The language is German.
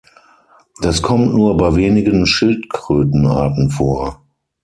Das kommt nur bei wenigen Schildkrötenarten vor.